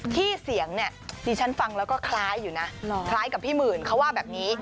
ที่เสียงเนี่ยดิฉันฟังแล้วก็คล้ายอยู่นะคล้ายกับพี่หมื่นเขาว่าแบบนี้